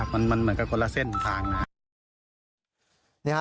มันแบบมันก็คนละเส้นทางนะฮะ